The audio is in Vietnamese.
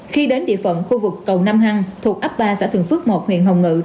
khi đến địa phận khu vực cầu nam hăng thuộc ấp ba xã thường phước một huyện hồng ngự